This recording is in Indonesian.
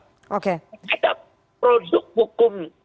terhadap produk hukum